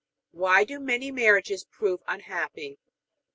Why do many marriages prove unhappy?